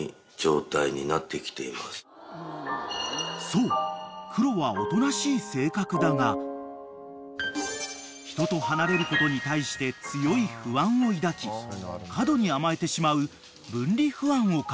［そうクロはおとなしい性格だが人と離れることに対して強い不安を抱き過度に甘えてしまう分離不安を抱えている］